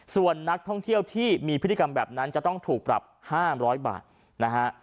ส่วนนักท่องเที่ยวที่มีพฤติกรรมแบบนั้นจะต้องถูกปรับ๕๐๐บาทนะฮะ